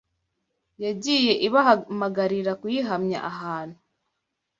yagiye ibahamagarira kuyihamya ahantu